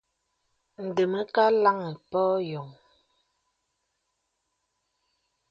Ndə mə kà laŋì pɔ̄ɔ̄ yɔŋ.